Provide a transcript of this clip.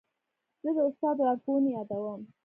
زه د استاد لارښوونې یادوم.